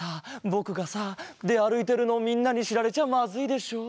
ぼくがさであるいてるのをみんなにしられちゃまずいでしょう。